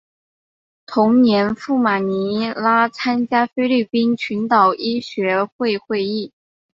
同年赴马尼拉参加菲律宾群岛医学会会议。